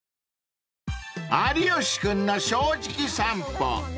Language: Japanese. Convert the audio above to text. ［『有吉くんの正直さんぽ』］